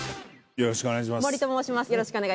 よろしくお願いします。